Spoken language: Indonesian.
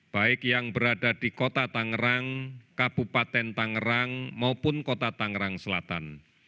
baik yang berada di kota tangerang kabupaten tangerang maupun kota tangerang selatan